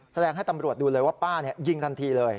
แสดงให้ตำรวจดูเลยว่าป้ายิงทันทีเลย